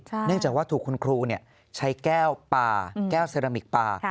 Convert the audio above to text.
เนื่องจากว่าถูกคุณครูใช้แก้วปลาแก้วเซรามิกปลา